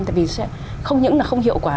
tại vì sẽ không những là không hiệu quả